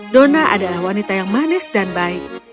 dona adalah wanita yang manis dan baik